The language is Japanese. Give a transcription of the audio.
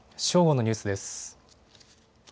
正午のニュースです。